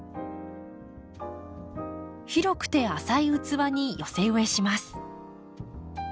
広くて浅い器に寄せ植えします。